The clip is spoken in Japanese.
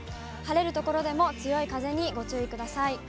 晴れる所でも強い風にご注意ください。